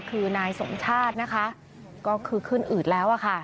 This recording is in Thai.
คือนายสมชาตินะคะก็คือขึ้นอืดแล้วอะค่ะ